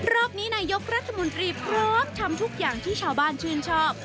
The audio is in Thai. รอบนี้นายกรัฐมนตรีพร้อมทำทุกอย่างที่ชาวบ้านชื่นชอบ